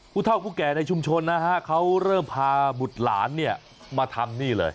ผู้เท่าผู้แก่ในชุมชนนะฮะเขาเริ่มพาบุตรหลานเนี่ยมาทำนี่เลย